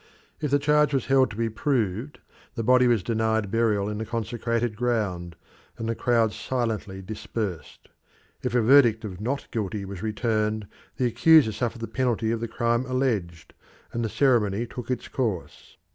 If the charge was held to be proved, the body was denied burial in the consecrated ground, and the crowd silently dispersed. If a verdict of not guilty was returned, the accuser suffered the penalty of the crime alleged, and the ceremony took its course.